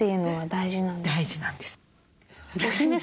大事なんです。